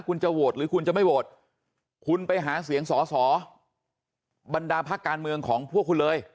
คุณจะโหวตหรือคุณจะไม่โหวตคุณไปหาเสียงสอสอบรรดาพักการเมืองของพวกคุณเลย